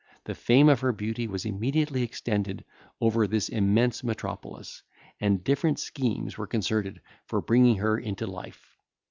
The fame of her beauty was immediately extended over this immense metropolis, and different schemes were concerted for bringing her into life.